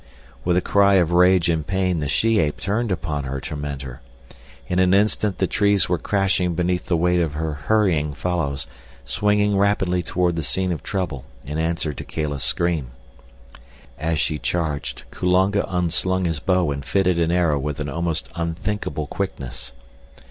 With a cry of rage and pain the she ape turned upon her tormentor. In an instant the trees were crashing beneath the weight of her hurrying fellows, swinging rapidly toward the scene of trouble in answer to Kala's scream. As she charged, Kulonga unslung his bow and fitted an arrow with almost unthinkable quickness.